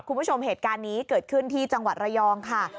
คุณผู้ชมเหตุการณ์นี้เกิดขึ้นที่จังหวัดระยองค่ะ